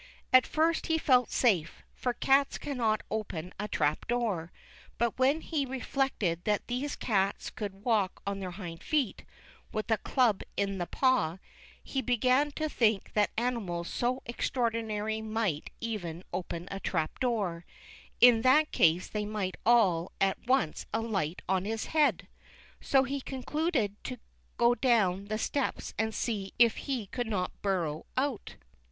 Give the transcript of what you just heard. At first he felt safe, for cats cannot open a trap door ; but when he reflected that these cats could walk on their hind feet, with a club in the paw, he began to think that animals so extraordinary might even open a trap door ; in that case they might all at once alight on his head. So he concluded to go down the steps and see if he could not burrow out.